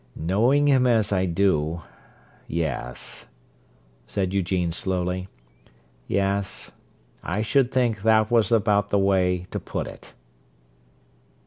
"Knowing him as I do—yes," said Eugene slowly. "Yes, I should think that was about the way to put it."